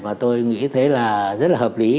mà tôi nghĩ thế là rất là hợp lý